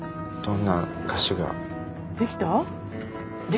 できた？